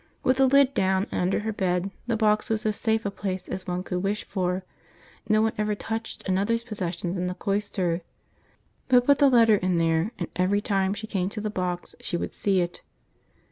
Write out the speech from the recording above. With the lid down, and under her bed, the box was as safe a place as one could wish for. No one ever touched another's possessions in the cloister. But put the letter in there and every time she came to the box she would see it.